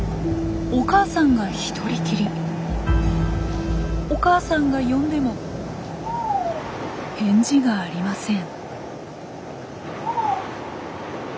お母さんがひとりきり。お母さんが呼んでも返事がありません。